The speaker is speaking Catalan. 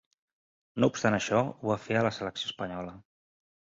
No obstant això, ho va fer a la selecció espanyola.